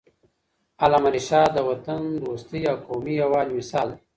علامه رشاد د وطن دوستۍ او قومي یووالي مثال دی.